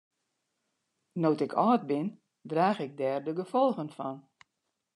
No't ik âld bin draach ik dêr de gefolgen fan.